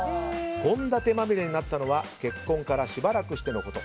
献立まみれになったのは結婚からしばらくしてのこと。